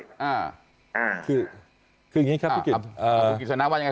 คือคืออย่างนี้ครับพี่กิจอ่าคุณกิจสนะว่ายังไง